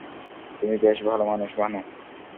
তুমি বেশ ভালো মানুষ, ভানু।